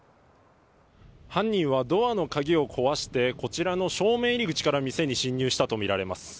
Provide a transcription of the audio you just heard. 犯人はドアの鍵を壊してこちらの正面入り口から店に侵入したとみられます。